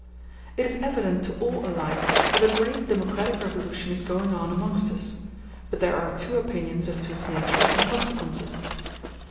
It is evident to all alike that a great democratic revolution is going on amongst us; but there are two opinions as to its nature and consequences.